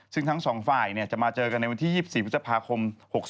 ซึ่งทั้งสองฝ่ายจะมาเจอกันในวันที่๒๔พฤษภาคม๖๓